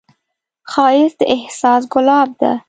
ښایست د احساس ښکلا ده